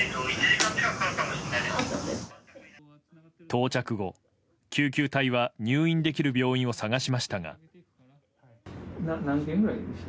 到着後、救急隊は入院できる病院を探しましたが。